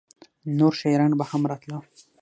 نور شاعران به هم راتله؟